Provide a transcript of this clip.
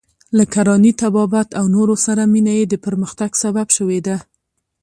له کرانې، طبابت او نورو سره مینه یې د پرمختګ سبب شوې ده.